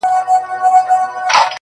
زخیرې مي کړلې ډیري شین زمری پر جنګېدمه!.